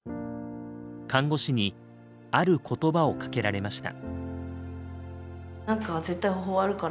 看護師にある言葉をかけられました。